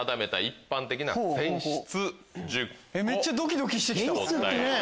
めっちゃドキドキして来た。